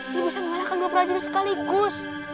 dia bisa mengalahkan dua prajurit sekaligus